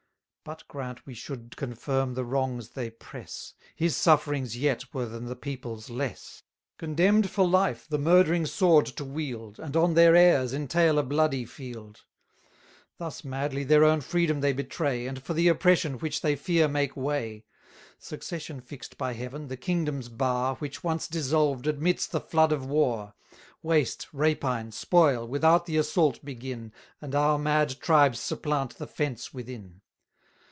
But grant we should confirm the wrongs they press, His sufferings yet were than the people's less; Condemn'd for life the murdering sword to wield, And on their heirs entail a bloody field. 770 Thus madly their own freedom they betray, And for the oppression which they fear make way; Succession fix'd by Heaven, the kingdom's bar, Which once dissolved, admits the flood of war; Waste, rapine, spoil, without the assault begin, And our mad tribes supplant the fence within.